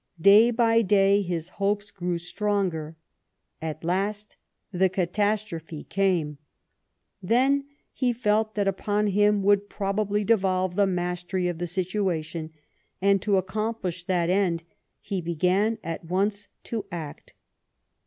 Day by day his hopes grew stronger. At last the catastrophe came. Then lie felt that upon him would probably devolve the mastery of the situation — and to accomplish that end he began at once to act.